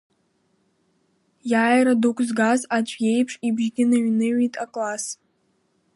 Иааира дук згаз аӡә иеиԥш ибжьгьы ныҩныҩит акласс.